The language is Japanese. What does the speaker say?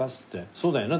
そうだよな？